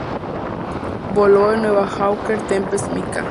Voló el nuevo Hawker Tempest Mk.